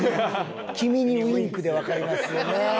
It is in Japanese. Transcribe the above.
「君にウィンク」でわかりますよね。